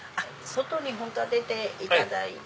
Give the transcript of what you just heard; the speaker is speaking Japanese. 外に本当は出ていただいて。